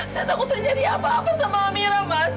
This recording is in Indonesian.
saya takut terjadi apa apa sama mira mas